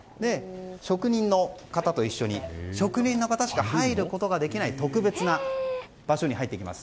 職人の方と一緒に職人の方しか入ることができない特別な場所に入っていきます。